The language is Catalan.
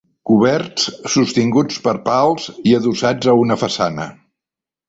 Coberts sostinguts per pals i adossats a una façana.